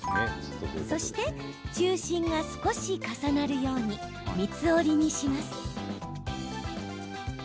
そして中心が少し重なるように三つ折りにします。